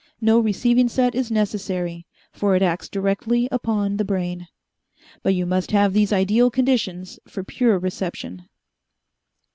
No receiving set is necessary, for it acts directly upon the brain. But you must have these ideal conditions for pure reception."